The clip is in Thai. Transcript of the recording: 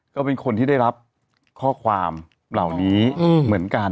ก็เป็นคนที่ได้รับข้อความเหล่านี้เหมือนกัน